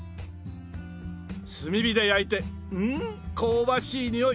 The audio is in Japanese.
炭火で焼いてん香ばしい匂い！